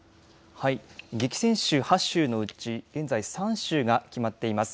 激戦州８州のうち現在、３州が決まっています。